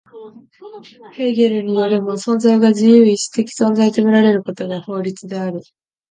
ヘーゲルによるも、存在が自由意志的存在と見られることが法律である。